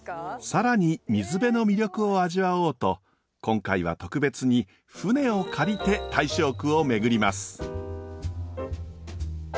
更に水辺の魅力を味わおうと今回は特別に船を借りて大正区を巡ります。